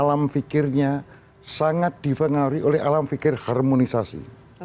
alam pikirnya sangat di pengaruhi oleh alam pikir harmonisasi